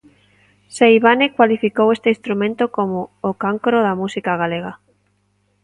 Seivane cualificou este instrumento como o "cancro da música galega".